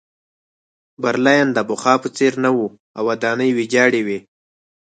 برلین د پخوا په څېر نه و او ودانۍ ویجاړې وې